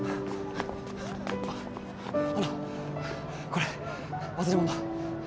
あのこれ忘れ物